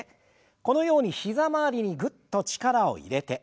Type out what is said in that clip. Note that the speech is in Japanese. このように膝周りにぐっと力を入れて。